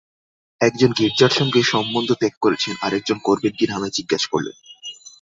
একজন গীর্জার সঙ্গে সম্বন্ধ ত্যাগ করেছেন, আর একজন করবেন কিনা আমায় জিজ্ঞাসা করলেন।